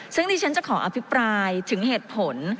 ซึ่งดิฉันจะขออภิปรายถึงเหตุผล